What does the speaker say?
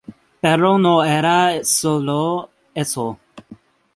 Pero no era solo eso.